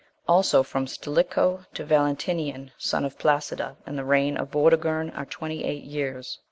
Also from Stilicho to Valentinian, son of Placida, and the reign of Vortigern, are twenty eight years.